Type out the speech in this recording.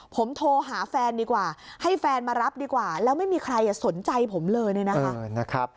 ผมโทรหาแฟนดีกว่าให้แฟนมารับดีกว่าแล้วไม่มีใครสนใจผมเลยเนี่ยนะคะ